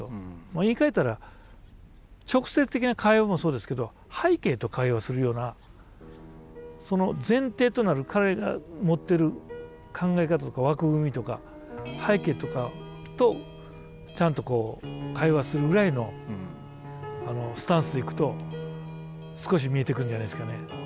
言いかえたら直接的な会話もそうですけど背景と会話するようなその前提となる彼らが持っている考え方とか枠組みとか背景とかとちゃんと会話するぐらいのスタンスでいくと少し見えてくるんじゃないですかね。